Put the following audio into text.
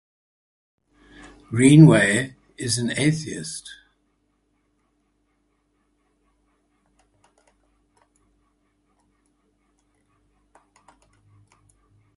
Greenway is an atheist.